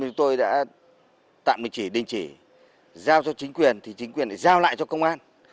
chúng tôi đã tạm đình chỉ đình chỉ giao cho chính quyền thì chính quyền giao lại cho công an